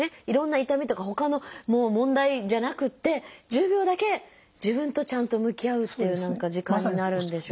いろんな痛みとかほかの問題じゃなくって１０秒だけ自分とちゃんと向き合うっていう時間になるんでしょうね。